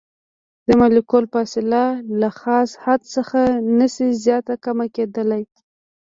د مالیکول فاصله له خاص حد څخه نشي زیاته کمه کیدلی.